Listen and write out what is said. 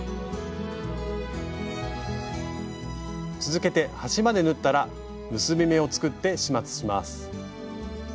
続けて端まで縫ったら結び目を作って始末します。